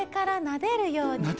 なでるように？